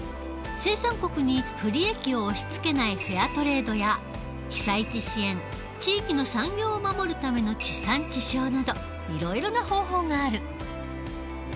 生産国に不利益を押しつけないフェアトレードや被災地支援地域の産業を守るための地産地消などいろいろな方法がある。